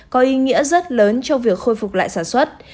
có ý nghĩa rất lớn trong việc khôi phục lại sản xuất